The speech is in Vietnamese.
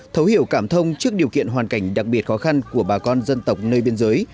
thấu hiểu cảm thông trước điều kiện hoàn cảnh đặc biệt khó khăn của bà con dân tộc nơi biên giới